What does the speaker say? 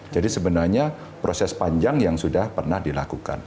jadi sebenarnya proses panjang yang sudah pernah dilakukan